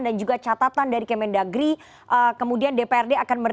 dan catatan ke mendagri atau memang